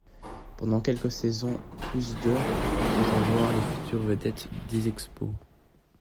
Pendant quelques saisons, plus de viendront voir les futures vedettes des Expos.